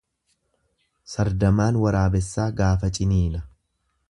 Sardamaan waraabessaa gaafa ciniina.